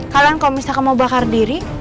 kalian kalau misalkan mau bakar diri